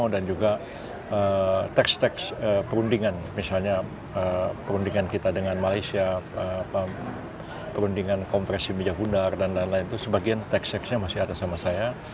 karena teks teks perundingan misalnya perundingan kita dengan malaysia perundingan konfesi bijak undar dan lain lain itu sebagian teks teksnya masih ada sama saya